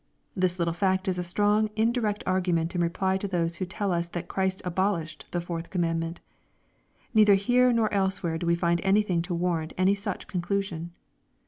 '* This little fact is a strong indirect argument in reply to those who tell us that Christ abolished the fourth commandment. Neither here nor elsewhere do we find anything to warrant any such conclusion.